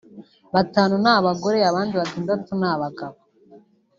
batanu ni abagore abandi batandatu ni abagabo